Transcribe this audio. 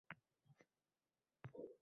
Ko’kdagi Kahkashon uning yo’lidir